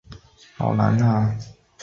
最佳观赏地点为城市阳台。